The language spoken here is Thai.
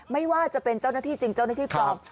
ไม่ว่าจะเป็นเจ้าหน้าที่จริงเจ้าหน้าที่ปลอม